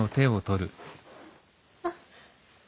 あっ。